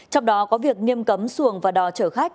trong đó có việc nghiêm cấm xuồng và đò chở khách